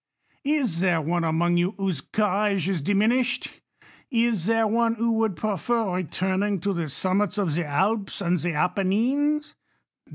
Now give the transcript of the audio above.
Is there one among you whose courage is diminished ? Is there one who would prefer returning to the summits of the Alps and the Appenines